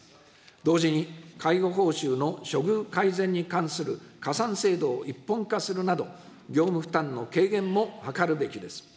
同時に介護報酬の処遇改善に関する加算制度を一本化するなど、業務負担の軽減も図るべきです。